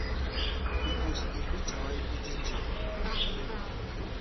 Bìkòskòs bi càwa ibi di njɛ̌.